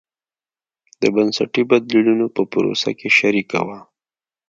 د بنسټي بدلونونو په پروسه کې شریکه وه.